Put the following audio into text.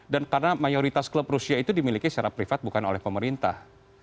dan karena mayoritas klub rusia itu dimiliki secara privat bukan oleh pemerintah